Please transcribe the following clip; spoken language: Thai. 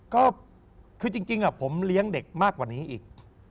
ก็คือจริงผมเลี้ยงเด็กมากกว่านี้อีก